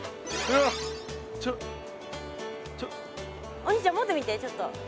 お兄ちゃん持ってみてちょっと。